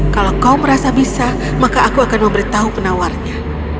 kalau kau merasa bisa maka aku akan memberitahu penawarnya